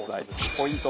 ポイント。